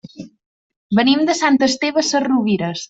Venim de Sant Esteve Sesrovires.